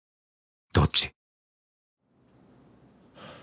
どっち？